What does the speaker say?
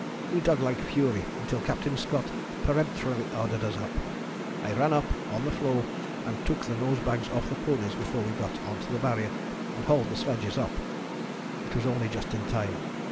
We dug like fury until Captain Scott peremptorily ordered us up. I ran up on the floe and took the nosebags off the ponies before we got on to the Barrier, and hauled the sledges up. It was only just in time.